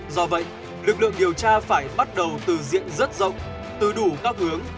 do vậy lực lượng điều tra phải bắt đầu từ diện rất rộng từ đủ các hướng